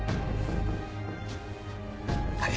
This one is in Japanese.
はい。